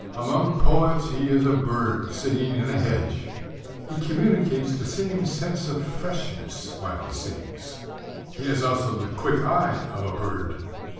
Among poets he is a bird singing in a hedge. He communicates the same sense of freshness while he sings. He has also the quick eye of a bird.